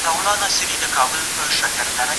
ولي د فابریکو پراختیا د سیمو اقتصادي حالت ښه کوي؟